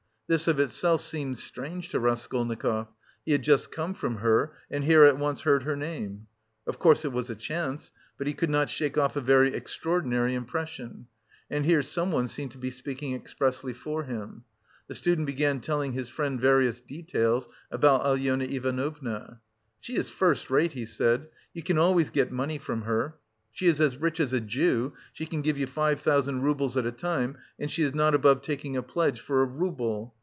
This of itself seemed strange to Raskolnikov; he had just come from her and here at once he heard her name. Of course it was a chance, but he could not shake off a very extraordinary impression, and here someone seemed to be speaking expressly for him; the student began telling his friend various details about Alyona Ivanovna. "She is first rate," he said. "You can always get money from her. She is as rich as a Jew, she can give you five thousand roubles at a time and she is not above taking a pledge for a rouble.